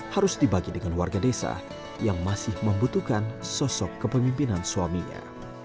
harus dibagi dengan warga desa yang masih membutuhkan sosok kepemimpinan suaminya